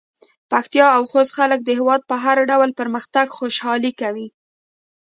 پکتيا او خوست خلک د هېواد په هر ډول پرمختګ کې خوشحالي کوي.